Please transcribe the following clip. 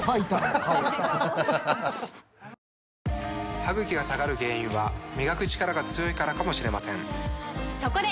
歯ぐきが下がる原因は磨くチカラが強いからかもしれませんそこで！